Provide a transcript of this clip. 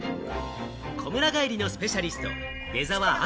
こむら返りのスペシャリスト・出沢明